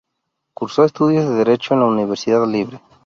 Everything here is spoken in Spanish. Cursó estudios de Derecho en la Universidad Libre.